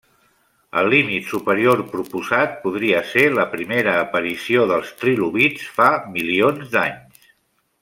El límit superior proposat podria ser la primera aparició dels trilobits, fa milions d'anys.